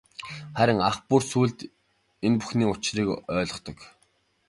Харин ах нь бүр сүүлд энэ бүхний учрыг ойлгодог.